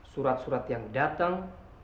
surat surat yang datang